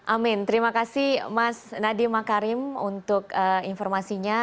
amin terima kasih mas nadiem makarim untuk informasinya